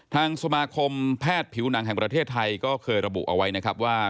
ทางสมาคมแพทย์ผิวหนังแห่งประเทศไทยก็เคยระบุเอาไว้นะครับว่า